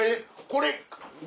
これ。